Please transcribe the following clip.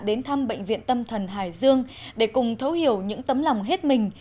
đến thăm bệnh viện tâm thần hải dương để cùng thấu hiểu những tấm lòng hết mình